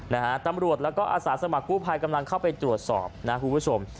นะฮะตำรวจแล้วก็อาสาสมัครกู้ภัยกำลังเข้าไปตรวจสอบนะคุณผู้ชม